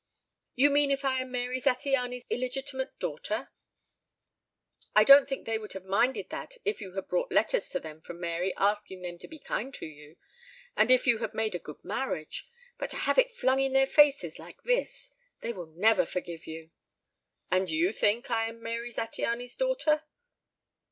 "You mean if I am Mary Zattiany's illegitimate daughter?" "I don't think they would have minded that if you had brought letters to them from Mary asking them to be kind to you and if you had made a good marriage. But to have it flung in their faces like this they will never forgive you." "And you think I am Mary Zattiany's daughter?"